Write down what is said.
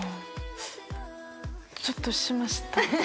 ちょっとしました。